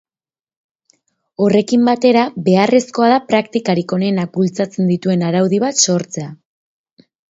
Horrekin batera, beharrezkoa da praktikarik onenak bultzatzen dituen araudi bat sortzea.